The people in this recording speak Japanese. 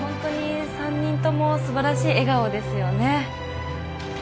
３人ともすばらしい笑顔ですよね。